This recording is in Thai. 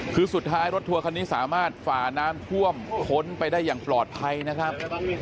คือสุดท้ายรถทัวร์คันนี้สามารถฝ่าน้ำท่วมค้นไปได้อย่างปลอดภัยนะครับ